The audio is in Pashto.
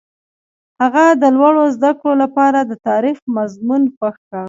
هغه د لوړو زده کړو لپاره د تاریخ مضمون خوښ کړ.